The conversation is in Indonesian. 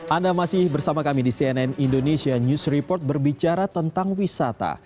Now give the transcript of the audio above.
anda masih bersama kami di cnn indonesia news report berbicara tentang wisata